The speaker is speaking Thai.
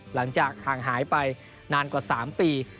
หลังจากห่างหายไปนานกว่า๓ปี